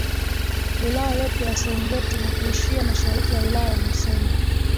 Wilaya yote ya Serengeti na kuishia Mashariki ya Wilaya ya Musoma